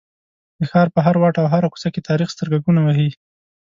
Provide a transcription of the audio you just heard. د ښار په هر واټ او هره کوڅه کې تاریخ سترګکونه وهي.